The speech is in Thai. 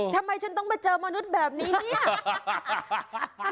ทำไมฉันต้องมาเจอมนุษย์แบบนี้เนี่ย